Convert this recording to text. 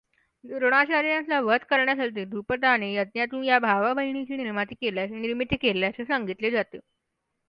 द्रोणाचार्यांचा वध करण्यासाठी द्रुपदाने यज्ञातून या भावा बहीणीची निर्मिती केल्याचे सांगितले जाते.